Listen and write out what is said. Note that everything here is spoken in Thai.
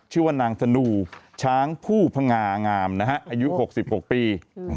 ชื่อว่านางธนูช้างผู้พงางามนะฮะอายุหกสิบหกปี